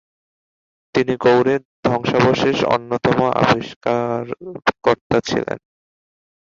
তিনি গৌড়ের ধ্বংসাবশেষের অন্যতম আবিষ্কার কর্তা ছিলেন।